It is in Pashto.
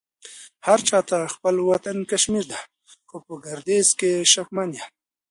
هرچا ته خپل وطن کشمير دې خو په ګرديز شکمن يم